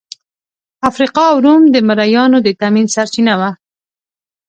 افریقا او روم د مریانو د تامین سرچینه وه.